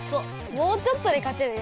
もうちょっとで勝てるね。